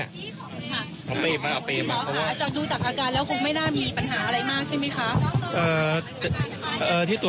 เหนื่อยก็